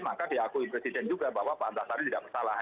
maka diakui presiden juga bahwa pak antasari tidak bersalah